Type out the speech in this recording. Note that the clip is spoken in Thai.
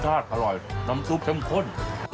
ประสาทอร่อยน้ำซุปเชิมข้น